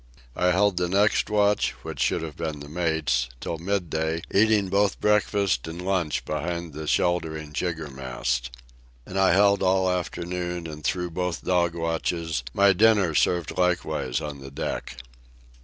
I held the next watch (which should have been the mate's) till midday, eating both breakfast and lunch behind the sheltering jiggermast. And I held all afternoon, and through both dog watches, my dinner served likewise on the deck.